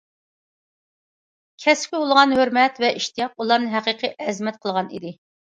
كەسىپكە بولغان ھۆرمەت ۋە ئىشتىياق ئۇلارنى ھەقىقىي ئەزىمەت قىلغان ئىدى.